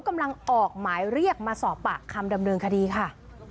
กำลังออกหมายเรียกมาสอบปากคำดำเนินคดีค่ะ